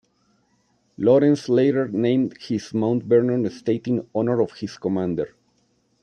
Lawrence later named his Mount Vernon estate in honor of his commander.